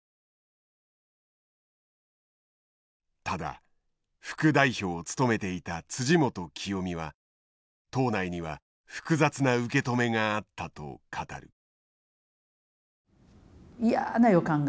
ただ副代表を務めていた元清美は党内には複雑な受け止めがあったと語る。